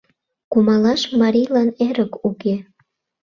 Кумалаш марийлан эрык уке.